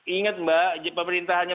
ingat mbak pemerintahannya